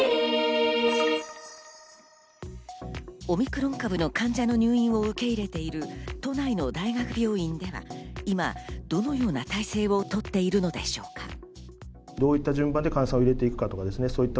オミクロン株の患者の入院を受け入れている都内の大学病院では今どのような体制をとっているのでしょうか。